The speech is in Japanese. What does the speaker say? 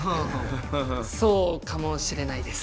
そうかもしれないです。